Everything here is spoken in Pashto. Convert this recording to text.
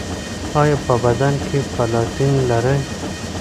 ایا په بدن کې پلاتین لرئ؟